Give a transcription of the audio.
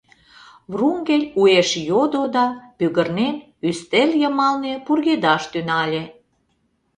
— Врунгель уэш йодо да, пӱгырнен, ӱстел йымалне пургедаш тӱҥале.